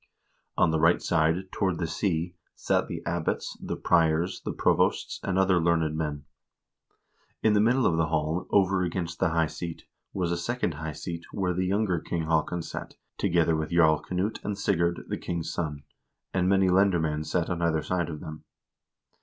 On the right side, toward the sea, sat the abbots, the priors, the provosts, and other learned men. In the middle of the hall, over against the high seat, was a second high seat, where the younger King Haakon sat, together with Jarl Knut and Sigurd, the king's son ; and many lendermcend sat on either side of them.